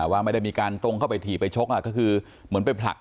ว่าไม่ได้มีการตรงเข้าไปถีบไปชกก็คือเหมือนไปผลัก